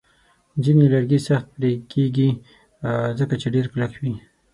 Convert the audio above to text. ځینې لرګي سخت پرې کېږي، ځکه چې ډیر کلک وي.